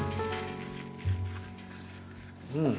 うん。